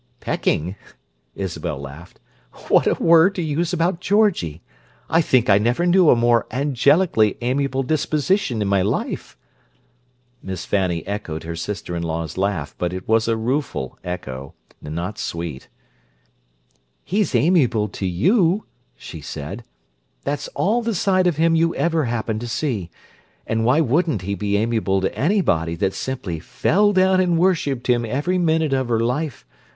"Pecking?" Isabel laughed. "What a word to use about Georgie! I think I never knew a more angelically amiable disposition in my life!" Miss Fanny echoed her sister in law's laugh, but it was a rueful echo, and not sweet. "He's amiable to you!" she said. "That's all the side of him you ever happen to see. And why wouldn't he be amiable to anybody that simply fell down and worshipped him every minute of her life?